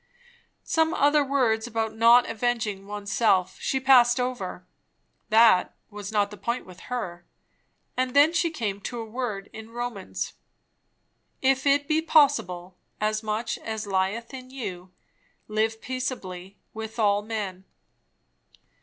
Some other words about not avenging oneself she passed over; that was not the point with her; and then she came to a word in Romans, "If it be possible, as much as lieth in you, live peaceably with all men."